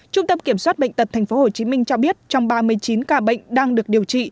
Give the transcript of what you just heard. trung tâm kiểm soát bệnh tật tp hcm cho biết trong ba mươi chín ca bệnh đang được điều trị